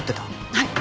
はい。